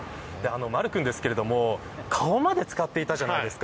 まる君ですけれど、顔まで漬かっていたじゃないですか。